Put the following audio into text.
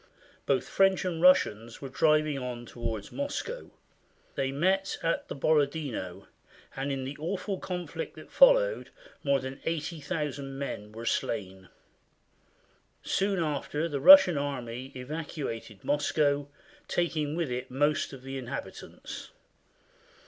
Both French and Russians were driving on toward Moscow. They met at the Borodino, and in the awful con flict that followed more than 80,000 men were slain. Soon after the Russian army evacuated Moscow, taking with it most of the inhabitants.